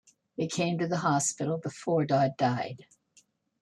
They came to the hospital before Dodd died.